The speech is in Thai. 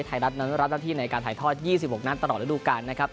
ไทยรัฐนั้นรับหน้าที่ในการถ่ายทอด๒๖นัดตลอดระดูการนะครับ